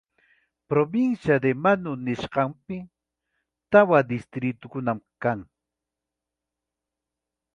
Provincia de Manu nisqanpim, tawa distritukunam kan.